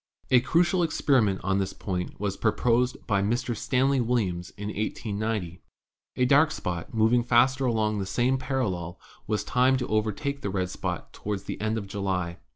"A crucial experiment on this point was proposed by Mr. Stanley Williams in 1890. A dark spot moving faster along the same parallel was timed to overtake the red spot toward the end of July.